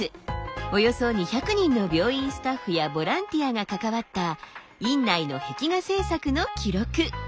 およそ２００人の病院スタッフやボランティアが関わった院内の壁画制作の記録。